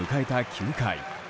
９回。